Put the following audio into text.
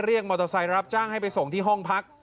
มอเตอร์ไซค์รับจ้างให้ไปส่งที่ห้องพัก